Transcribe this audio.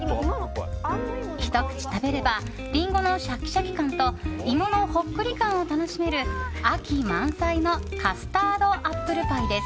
ひと口食べればリンゴのシャキシャキ感と芋のほっくり感を楽しめる秋満載のカスタードアップルパイです。